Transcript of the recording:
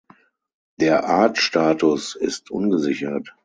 Der Artstatus ist ungesichert.